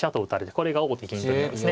これが王手金取りなんですね。